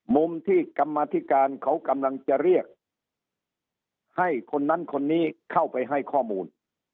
มุมที่กรรมธิการเขากำลังจะเรียกให้คนนั้นคนนี้เข้าไปให้ข้อมูล